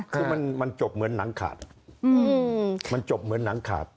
คือมันจบเหมือนหนังขาดมันจบเหมือนหนังขาด